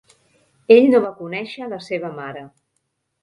Ell no va conèixer la seva mare.